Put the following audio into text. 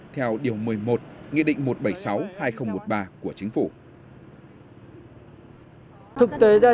theo điều một mươi một nghị định một trăm bảy mươi sáu hai nghìn một mươi ba của chính phủ